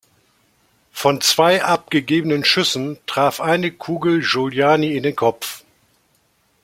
Von zwei abgegebenen Schüssen traf eine Kugel Giuliani in den Kopf.